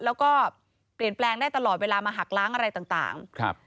แล้วก็เปลี่ยนแปลงได้ตลอดเวลามาหักล้างอะไรต่างครับ